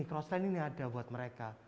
crossland ini ada buat mereka